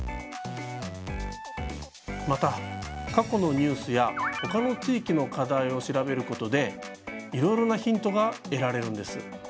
また過去のニュースや他の地域の課題を調べることでいろいろなヒントが得られるんです。